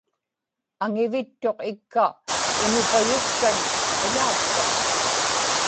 aŋivittuq ikka imupayuktan qiḷaaksraq